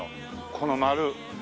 この丸。